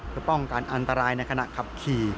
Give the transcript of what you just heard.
เพื่อป้องกันอันตรายในขณะขับขี่